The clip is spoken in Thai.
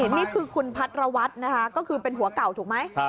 นี่คือคุณพัทรวัตรนะคะก็คือเป็นผัวเก่าถูกไหม